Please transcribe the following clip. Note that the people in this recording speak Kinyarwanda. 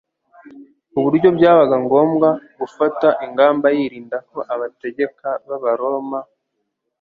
ku buryo byabaga ngombwa gufata ingamba yirinda ko abategeka b'abaroma